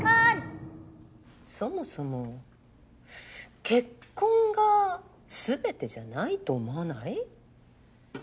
そもそも結婚が全てじゃないと思わない？